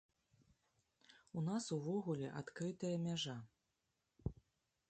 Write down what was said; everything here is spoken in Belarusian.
У нас увогуле адкрытая мяжа!